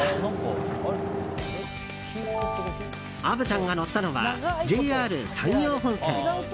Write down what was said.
虻ちゃんが乗ったのはＪＲ山陽本線。